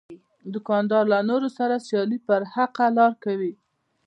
دوکاندار له نورو سره سیالي پر حقه لار کوي.